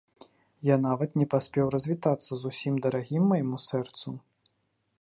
Я нават не паспеў развітацца з усім дарагім майму сэрцу.